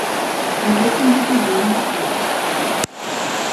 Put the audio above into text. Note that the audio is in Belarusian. Пры гэтым будзе вельмі моцны вецер.